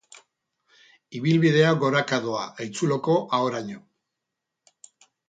Ibilbidea goraka doa haitzuloko ahoraino.